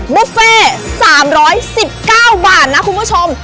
บุฟเฟ่๓๑๙บาทนะคุณผู้ชม